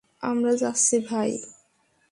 আমরা যাচ্ছি ভাই।